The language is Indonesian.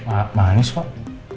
aduh manis kok